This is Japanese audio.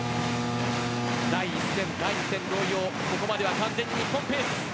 第１戦、第２戦同様ここまでは日本ペース。